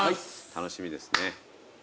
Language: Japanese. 楽しみですね。